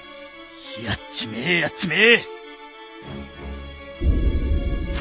やっちめえやっちめえ！